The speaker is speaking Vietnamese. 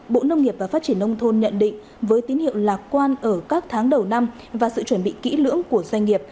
bộ nông nghiệp và phát triển nông thôn nhận định với tín hiệu lạc quan ở các tháng đầu năm và sự chuẩn bị kỹ lưỡng của doanh nghiệp